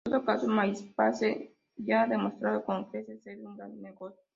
En todo caso, MySpace ya ha demostrado con creces ser un gran negocio.